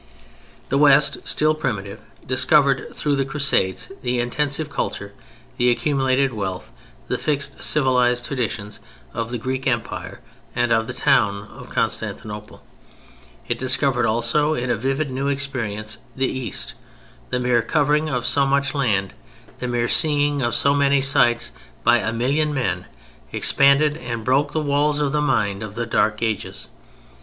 The West, still primitive, discovered through the Crusades the intensive culture, the accumulated wealth, the fixed civilized traditions of the Greek Empire and of the town of Constantinople. It discovered also, in a vivid new experience, the East. The mere covering of so much land, the mere seeing of so many sights by a million men expanded and broke the walls of the mind of the Dark Ages.